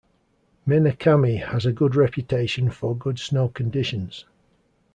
Minakami has a good reputation for good snow conditions.